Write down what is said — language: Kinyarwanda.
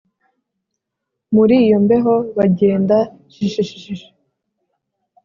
Muri iyo mbeho bagenda shishishi